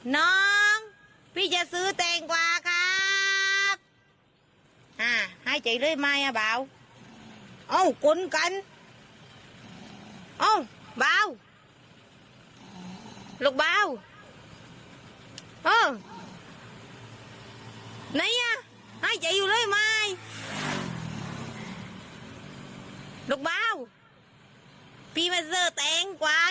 น้องพี่จะซื้อแตงกว่าครับอ่าให้เจ๋ยูเลยไหมอะบ่าว